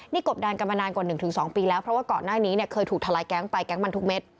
นี่กบดันกันมานานกว่า๑๒ปีแล้วเพราะว่าก่อนหน้านี้เนี่ยเคยถูกทะลายแก๊งไปแก๊งมันทุกเม็ด